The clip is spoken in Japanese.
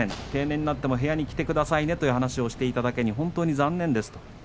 定年になっても部屋に来てくださいと話していただけに本当に残念です。